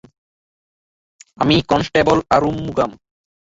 আমি কনস্টেবল আরুমুগাম।